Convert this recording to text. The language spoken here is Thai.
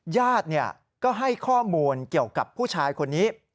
ญาติก็ให้ข้อมูลเกี่ยวกับผู้ชายคนนี้